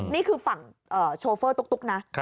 นี่คือฝั่งโชเฟอร์ตุ๊กนะ